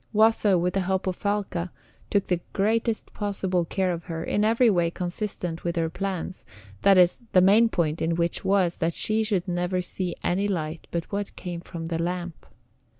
Watho, with the help of Falca, took the greatest possible care of her in every way consistent with her plans, that is, the main point in which was that she should never see any light but what came from the lamp.